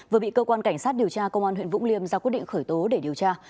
vừa bị cơ quan cảnh sát điều tra công an huyện vũng liêm ra quyết định khởi tố để điều tra